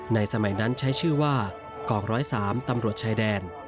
สมัยนั้นใช้ชื่อว่ากอง๑๐๓ตำรวจชายแดน